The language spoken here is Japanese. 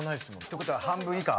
てことは半分以下？